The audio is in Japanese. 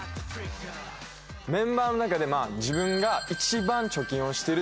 メンバーの中で自分が一番貯金をしてるという。